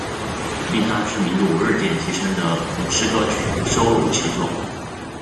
令她知名度日渐提升的影视歌曲也收录其中。